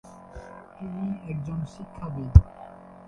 তিনি একজন শিক্ষাবিদ।